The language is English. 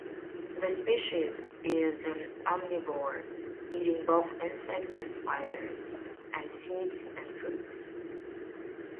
The species is an omnivore, eating both insects and spiders, and seeds and fruits.